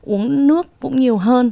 uống nước cũng nhiều hơn